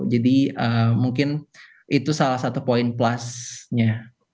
jadi mungkin itu salah satu poin plusnya